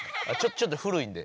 ちょっと古いんで。